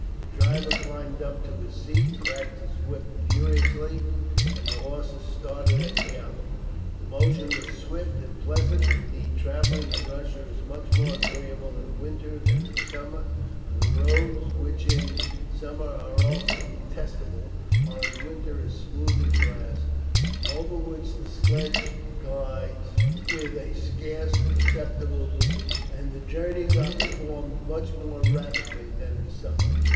The driver climbed up to his seat, cracked his whip furiously, and the horses started at a gallop. The motion was swift and pleasant, indeed travelling in Russia is much more agreeable in winter than in summer, for the roads, which in summer are often detestable, are in winter as smooth as glass, over which the sledge glides with a scarce perceptible movement, and the journeys are performed much more rapidly than in summer.